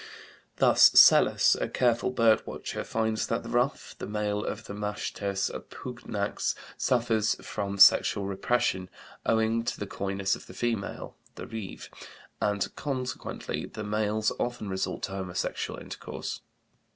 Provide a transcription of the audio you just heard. Thus Selous, a careful bird watcher, finds that the ruff, the male of the Machetes pugnax, suffers from sexual repression owing to the coyness of the female (the reeve), and consequently the males often resort to homosexual intercourse.